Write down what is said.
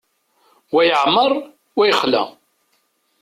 Wa yeεmer, wa yexla.